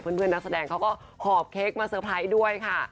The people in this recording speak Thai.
เพื่อนนักแสดงเขาก็หอบเค้กมาเตอร์ไพรส์ด้วยค่ะ